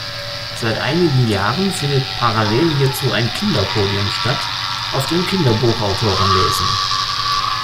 Seit einigen Jahren findet parallel hierzu ein Kinder-Podium statt, auf dem Kinderbuchautoren lesen.